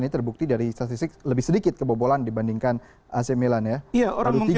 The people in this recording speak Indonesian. ini terbukti dari statistik lebih sedikit kebobolan dibandingkan ac milan ya